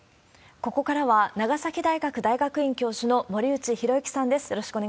ここからは、長崎大学大学院教授の森内浩幸さんです。